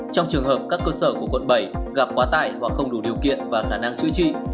trong trường hợp các cơ sở của quận bảy gặp quá tải hoặc không đủ điều kiện và khả năng chữa trị